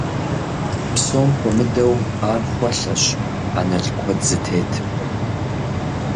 Псом хуэмыдэу, ар хуэлъэщ анэл куэд зытетым.